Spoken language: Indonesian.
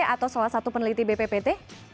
atau salah satu peneliti bppt